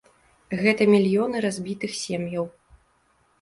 Гэта мільёны разбітых сем'яў.